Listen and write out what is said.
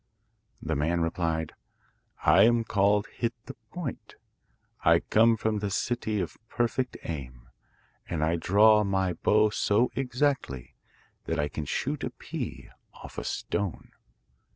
The man replied, 'I am called Hit the Point, I come from the city of Perfect aim, and I draw my bow so exactly that I can shoot a pea off a stone.